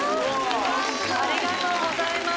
ありがとうございます。